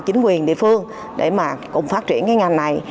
chính quyền địa phương để mà cùng phát triển cái ngành này